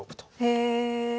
へえ。